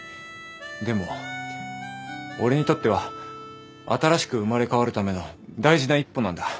でも俺にとっては新しく生まれ変わるための大事な一歩なんだ。